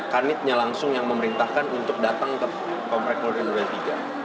kanitnya langsung yang memerintahkan untuk datang ke komplek durentiga